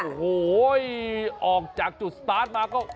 โอ้โหออกจากจุดสตาร์ทมาก็